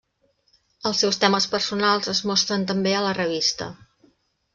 Els seus temes personals es mostren també a la revista.